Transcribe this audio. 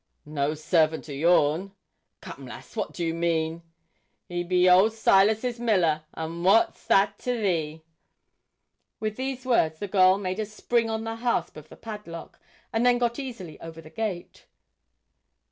'No servant o' yourn!' 'Come, lass, what do you mean?' 'He be old Silas's miller, and what's that to thee?' With these words the girl made a spring on the hasp of the padlock, and then got easily over the gate.